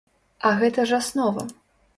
А гэта ж аснова!